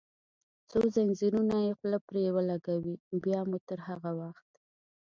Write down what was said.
څو زنځیرونه یې خوله پرې ولګوي، بیا مو تر هغه وخت.